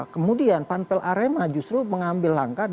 kemudian panpel arema justru mengambil langkah